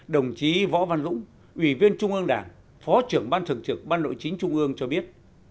đồng chí võ văn dũng ủy viên trung ương đảng phó trưởng ban thường trực ban nội chính trung ương cho biết